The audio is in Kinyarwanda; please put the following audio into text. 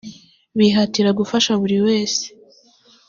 bihatira gufasha buri wese